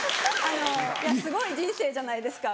すごい人生じゃないですか。